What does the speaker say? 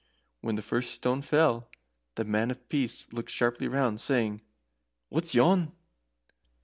When the first stone fell, the Man of Peace looked sharply round, saying: "What's yon?"